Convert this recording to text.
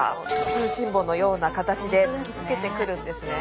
通信簿のような形で突きつけてくるんですね。